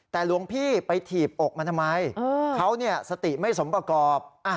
แต่หลวงพี่ไปถีบอกมันทำไมเขาสติไม่สมประกอบ